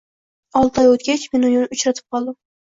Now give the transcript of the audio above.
Olti oy o‘tgach, men uni uchratib qoldim.